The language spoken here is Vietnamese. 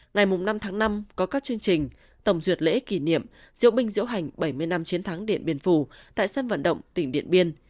ngày năm tháng năm có các chương trình tổng duyệt lễ kỷ niệm diễu binh diễu hành bảy mươi năm chiến thắng điện biên phủ tại sân vận động tỉnh điện biên